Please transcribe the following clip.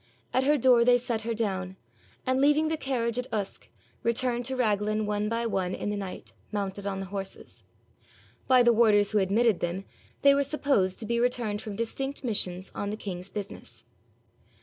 At her door they set her down, and leaving the carriage at Usk, returned to Raglan one by one in the night, mounted on the horses. By the warders who admitted them they were supposed to be returned from distinct missions on the king's business.